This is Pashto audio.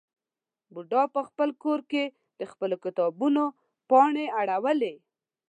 بوډا په خپل کور کې د خپلو کتابونو پاڼې اړولې.